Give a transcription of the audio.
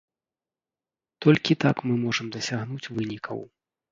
Толькі так мы можам дасягнуць вынікаў.